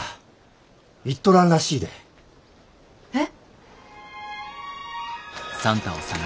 えっ？